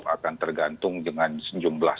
akan tergantung dengan sejumlah